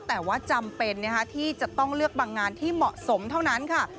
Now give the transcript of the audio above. แต่ว่าจำเป็นที่จะต้องเลือกบางงานที่เหมาะสมเท่านั้นค่ะ